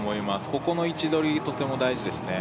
ここの位置取りとても大事ですね